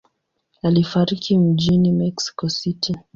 Alifariki mjini Mexico City.